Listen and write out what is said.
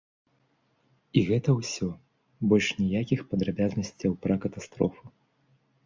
І гэта ўсё, больш ніякіх падрабязнасцяў пра катастрофу.